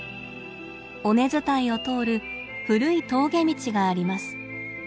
尾根伝いを通る古い峠道があります。